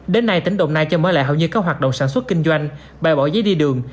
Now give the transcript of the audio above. đến nay tỉnh đồng nai cho mới lại hầu như các hoạt động sản xuất kinh doanh bài bỏ giấy đi đường